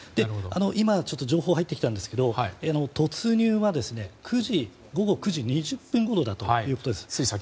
今、情報が入ってきたんですけど突入は午後９時２０分ごろだということです。